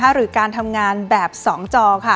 หรือการทำงานแบบ๒จอค่ะ